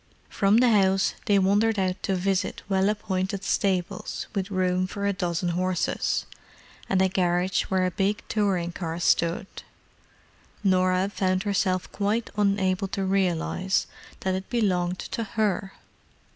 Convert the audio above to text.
From the house they wandered out to visit well appointed stables with room for a dozen horses, and a garage where a big touring car stood—Norah found herself quite unable to realize that it belonged to her!